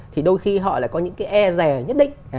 thì đôi khi họ lại có những cái e rè nhất định